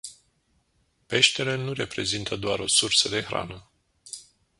Peștele nu reprezintă doar o sursă de hrană.